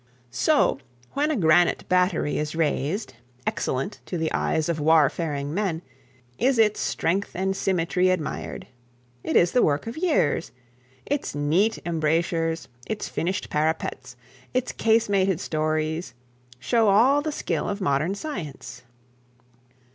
So, when a granite battery is raised, excellent to the eyes of warfaring men, is its strength and symmetry admired. It is the work of years. Its neat embrasures, its finished parapets, its casemated stories, show all the skill of modern science.